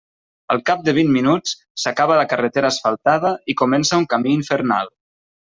Al cap de vint minuts s'acaba la carretera asfaltada i comença un camí infernal.